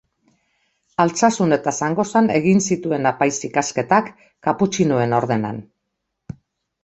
Altsasun eta Zangozan egin zituen apaiz ikasketak, kaputxinoen ordenan.